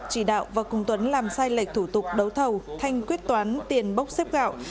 chỉ đạo và cùng tuấn làm sai lệch thủ tục đấu thầu thanh quyết toán tiền bốc xếp gạo